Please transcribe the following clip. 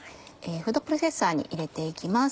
フードプロセッサーに入れて行きます。